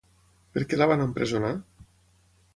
Per què la van empresonar?